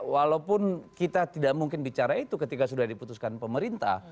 walaupun kita tidak mungkin bicara itu ketika sudah diputuskan pemerintah